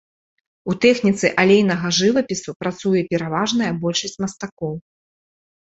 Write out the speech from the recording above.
У тэхніцы алейнага жывапісу працуе пераважная большасць мастакоў.